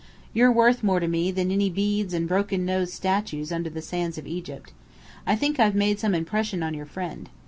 You're worth more to me than any beads and broken nosed statues under the sand of Egypt. I think I've made some impression on your friend.